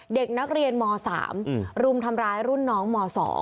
เด็กนักเรียนม๓รุมทำร้ายรุ่นน้องม๒